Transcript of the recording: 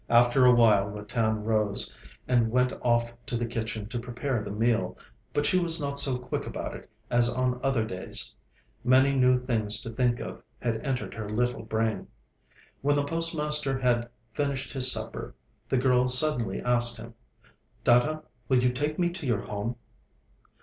After a while Ratan rose, and went off to the kitchen to prepare the meal; but she was not so quick about it as on other days. Many new things to think of had entered her little brain. When the postmaster had finished his supper, the girl suddenly asked him: 'Dada, will you take me to your home?'